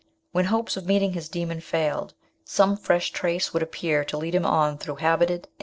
When hopes of meeting his demon failed, some fresh trace would appear to lead him on through habited and 108 MRS.